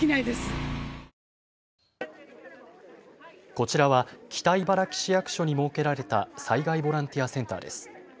こちらは北茨城市役所に設けられた災害ボランティアセンターです。